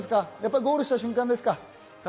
ゴールした瞬間ですか？